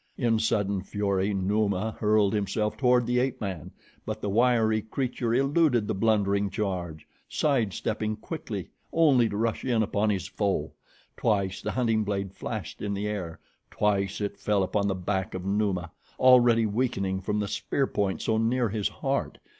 In sudden fury Numa hurled himself toward the ape man, but the wiry creature eluded the blundering charge, side stepping quickly only to rush in upon his foe. Twice the hunting blade flashed in the air. Twice it fell upon the back of Numa, already weakening from the spear point so near his heart.